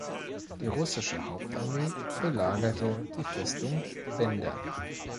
Die russische Hauptarmee belagerte die Festung Bender.